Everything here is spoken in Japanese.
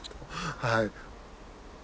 はい。